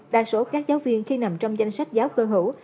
đa số các giáo viên khi nằm trong danh sách giáo cơ hữu